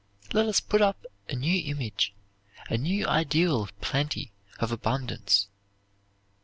Let us put up a new image, a new ideal of plenty, of abundance.